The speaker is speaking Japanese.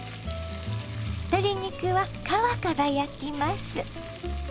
鶏肉は皮から焼きます。